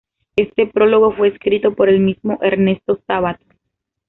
Este prólogo fue escrito por el mismo Ernesto Sabato.